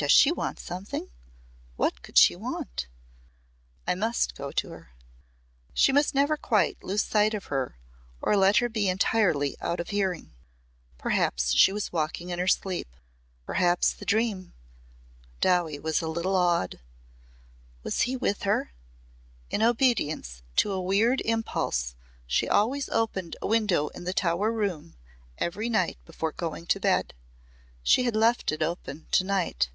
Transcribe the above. "Does she want something? What could she want? I must go to her." She must never quite lose sight of her or let her be entirely out of hearing. Perhaps she was walking in her sleep. Perhaps the dream Dowie was a little awed. Was he with her? In obedience to a weird impulse she always opened a window in the Tower room every night before going to bed. She had left it open to night.